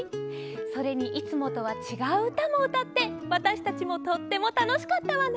それにいつもとはちがううたもうたってわたしたちもとってもたのしかったわね。